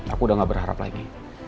aku udah gak berharap lagi